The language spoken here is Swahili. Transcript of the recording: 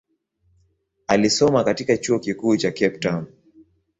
Alisoma katika chuo kikuu cha Cape Town.